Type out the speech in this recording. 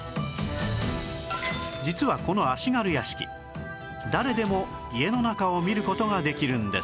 実はこの足軽屋敷誰でも家の中を見る事ができるんです